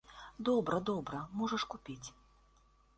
Добра, добра, можаш купіць.